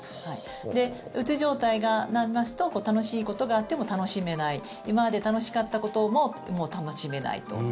で、うつ状態になりますと楽しいことがあっても楽しめない今まで楽しかったことももう楽しめないと。